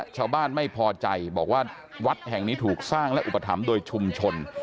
ชาวบ้านไม่พอใจบอกว่าวัดแห่งนี้ถูกสร้างและอุปถัมภ์โดยชุมชน